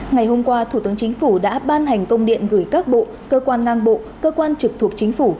ngày hôm qua thủ tướng chính phủ đã ban hành công điện gửi các bộ cơ quan ngang bộ cơ quan trực thuộc chính phủ